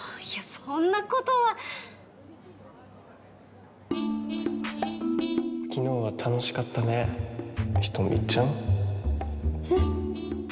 そんなことは昨日は楽しかったね人見ちゃんえっ？